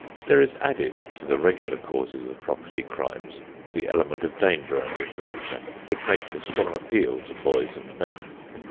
There is added to the regular causes of property crimes the element of danger and adventure which makes a strong appeal to boys and men.